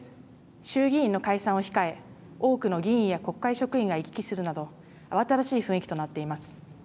衆議院の解散を控え多くの議員や国会職員が行き来するなど慌ただしい雰囲気となっています。